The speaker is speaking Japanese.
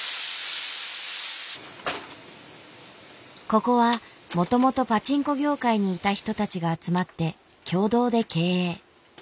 ここはもともとパチンコ業界にいた人たちが集まって共同で経営。